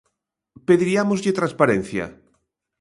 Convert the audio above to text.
Pediriámoslle transparencia.